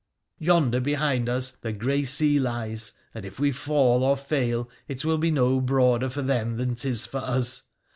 Yonder, behind us, the grey sea lies, and if we fall or fail it will be no broader for them than 'tis for us.